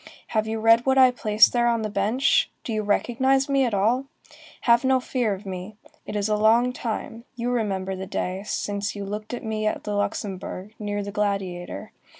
Have you read what I placed there on the bench? Do you recognize me at all? Have no fear of me. It is a long time, you remember the day, since you looked at me at the Luxembourg, near the Gladiator.